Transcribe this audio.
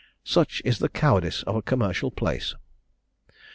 Such is the cowardice of a commercial place!